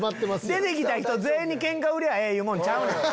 出て来た人全員にケンカ売りゃええいうもんちゃうねん。